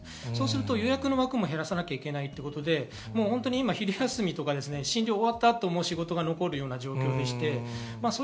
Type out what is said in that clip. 予約枠も減らさなきゃいけないということで、昼休みとか診療が終わった後も仕事が残る状況です。